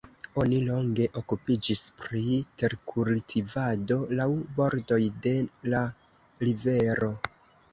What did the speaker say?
Oni longe okupiĝis pri terkultivado laŭ bordoj de la rivero.